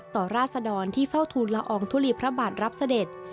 ต่อราษฎรที่เฝ้าทุลอองทุลีพระบาทรับเสด็จ